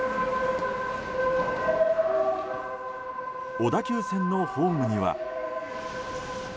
小田急線のホームには。